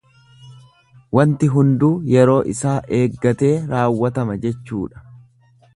Wanti hunduu yeroo isaa eeggatee raawwatama jechuudha.